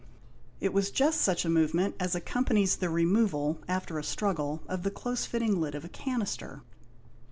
It was just such a movement as accompanies the removal, after a struggle, of the close fitting lid of a canister.